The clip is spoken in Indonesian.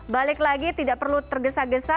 balik lagi tidak perlu tergesa gesa